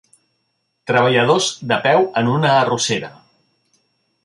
Treballadors de peu en una arrossera.